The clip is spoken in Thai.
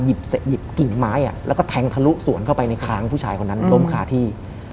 หยิบกิ่งไม้แล้วก็แทงทะลุสวนเข้าไปในค้างผู้ชายคนนั้นล้มคาที่